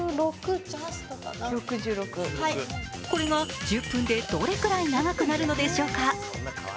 これが１０分でどのくらい長くなるのでしょうか。